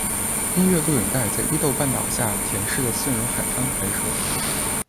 音乐录影带在伊豆半岛下田市的私人海滩拍摄。